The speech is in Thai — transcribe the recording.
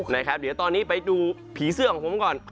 นะครับเดี๋ยวตอนนี้ไปดูผีเสื้อของผมก่อน